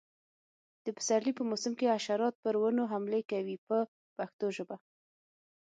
د پسرلي په موسم کې حشرات پر ونو حملې کوي په پښتو ژبه.